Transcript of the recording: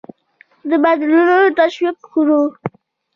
د بدلونونه تشویق کړو.